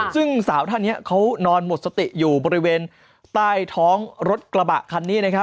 ซึ่งสาวท่านนี้เขานอนหมดสติอยู่บริเวณใต้ท้องรถกระบะคันนี้นะครับ